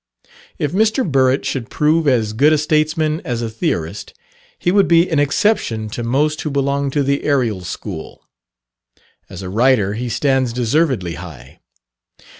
If Mr. Burritt should prove as good a statesman as a theorist, he would be an exception to most who belong to the aerial school. As a writer he stands deservedly high.